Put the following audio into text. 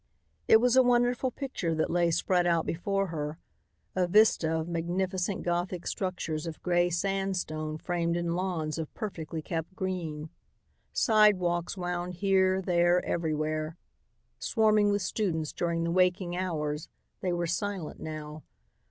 It was a wonderful picture that lay spread out before her, a vista of magnificent Gothic structures of gray sandstone framed in lawns of perfectly kept green. Sidewalks wound here, there, everywhere. Swarming with students during the waking hours, they were silent now.